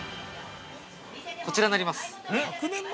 ◆こちらになります。